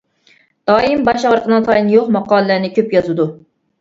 دائىم باش-ئاخىرىنىڭ تايىنى يوق ماقالىلەرنى كۆپ يازىدۇ.